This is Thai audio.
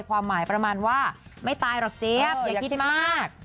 ความหมายประมาณว่าไม่ตายหรอกเจี๊ยบอย่าคิดมาก